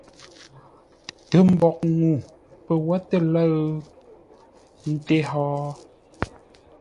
Tə mboʼ ŋuu pə̂ wó tə́ lə̂ʉ? Ńté hó?